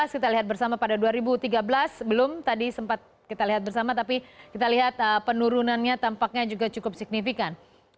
kita lihat bersama pada dua ribu tiga belas belum tadi sempat kita lihat bersama tapi kita lihat penurunannya tampaknya juga cukup signifikan